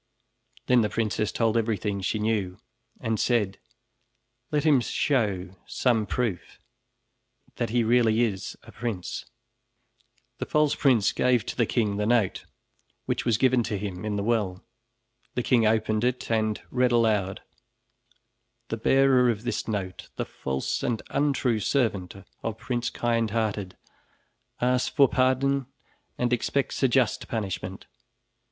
Then the princess told everything she knew and said: "Let him show some proof that he really is a prince." The false prince gave to the king the note, which was given to him in the well. The king opened it and read aloud: "The bearer of this note, the false and untrue servant of Prince Kindhearted, asks for pardon and expects a just punishment.